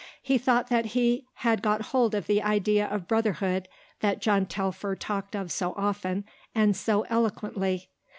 He thought that he had got hold of the idea of brotherhood that John Telfer talked of so often and so eloquently.